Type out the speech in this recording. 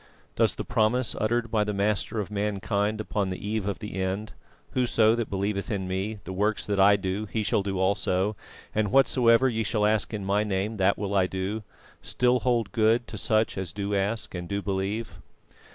Does the promise uttered by the Master of mankind upon the eve of the end "Whoso that believeth in Me, the works that I do he shall do also ... and whatsoever ye shall ask in My name, that will I do;" still hold good to such as do ask and do believe?